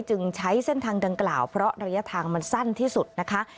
จึงใช้เส้นทางดังกล่าวเพราะระยะทางมันสั้นที่สุดนะคะ